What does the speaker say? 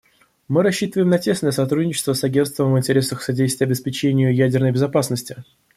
Мы рассчитываем на тесное сотрудничество с Агентством в интересах содействия обеспечению ядерной безопасности.